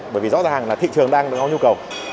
bởi vì rõ ràng là thị trường đang có nhu cầu